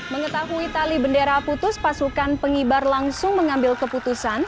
mengetahui tali bendera putus pasukan pengibar langsung mengambil keputusan